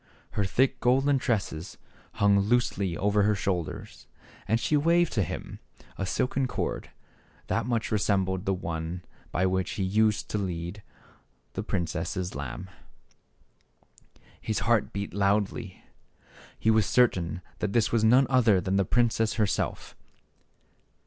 Her thick golden tresses hung loosely over her shoulders, and she waved to him a silken cord, that much resembled the one by which he used to lead the princess' lamb. His heart beat loudly. He was certain that this was none other than the princess herself.